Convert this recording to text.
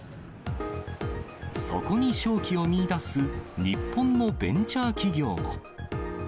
そこに商機を見いだす日本のベンチャー企業も。